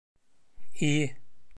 İyi